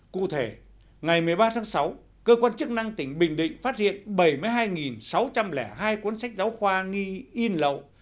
cụ thể ngày một mươi ba tháng sáu cơ quan chức năng tỉnh bình định phát hiện bảy mươi hai sáu trăm linh hai cuốn sách giáo khoa nghi in lậu